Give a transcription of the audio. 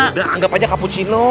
udah anggap aja cappuccino